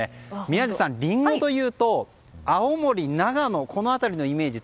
宮司さん、リンゴというと青森、長野といった辺りのイメージ